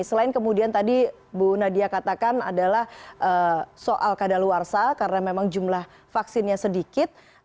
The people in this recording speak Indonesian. selain kemudian tadi bu nadia katakan adalah soal kadaluarsa karena memang jumlah vaksinnya sedikit